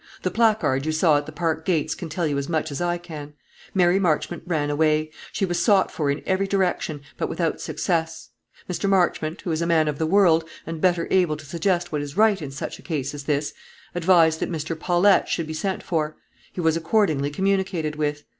The placard you saw at the park gates can tell you as much as I can. Mary Marchmont ran away. She was sought for in every direction, but without success. Mr. Marchmont, who is a man of the world, and better able to suggest what is right in such a case as this, advised that Mr. Paulette should be sent for. He was accordingly communicated with.